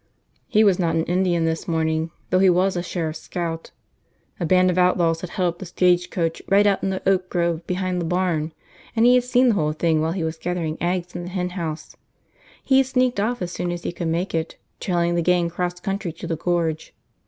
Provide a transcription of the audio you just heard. He was not an Indian this morning, though, he was a sheriff's scout. A band of outlaws had held up the stagecoach right out in the oak grove behind the barn and he had seen the whole thing while he was gathering eggs in the henhouse. He had sneaked off as soon as he could make it, trailing the gang cross country to the Gorge.